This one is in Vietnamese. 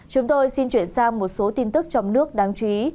chúng tôi xin chuyển sang một số tin tức trong nước đáng chú ý